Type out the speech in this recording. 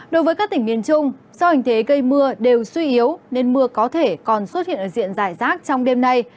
đối với các tỉnh miền trung do hình thế gây mưa đều suy yếu nên mưa có thể còn xuất hiện ở diện giải rác trong đêm nay